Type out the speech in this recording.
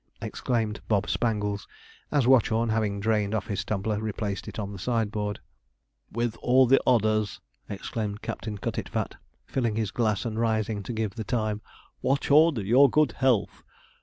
exclaimed Bob Spangles, as Watchorn, having drained off his tumbler, replaced it on the sideboard. 'With all the honours!' exclaimed Captain Cutitfat, filling his glass and rising to give the time; 'Watchorn, your good health!'